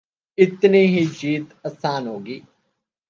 اتنی ہی جیت آسان ہو گی۔